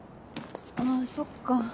あぁそっか。